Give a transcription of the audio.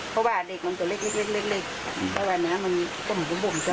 เพราะว่าเด็กมันตัวเล็กเล็กเล็กเล็กแต่ว่าน้ำมันต้มบุ่มบุ่มด้วย